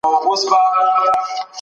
نړیوالو اړیکو کمیسیون څه کوي؟